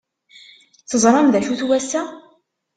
Teẓram d acu-t wass-a?